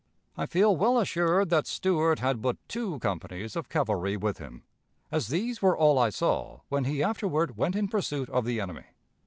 I feel well assured that Stuart had but two companies of cavalry with him, as these were all I saw when he afterward went in pursuit of the enemy.